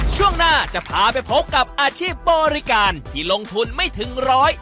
ช่วงหน้าจะพาไปพบกับอาชีพบริการที่ลงทุนไม่ถึงร้อย